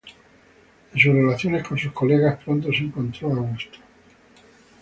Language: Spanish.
En sus relaciones con sus colegas, pronto se encontró a gusto.